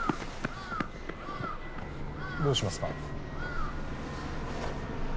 どうしますか？